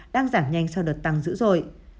đang giảm nhanh sau đợt tăng dữ rồi